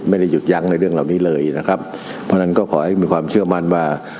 ไม่ได้หยุดยั้งในเรื่องเหล่านี้เลยนะครับเพราะฉะนั้นก็ขอให้มีความเชื่อมั่นว่า